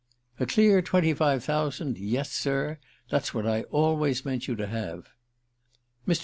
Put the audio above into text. "A clear twenty five thousand; yes, sir that's what I always meant you to have." Mr.